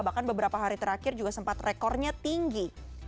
bahkan beberapa hari terakhir juga sempat rekornya tinggi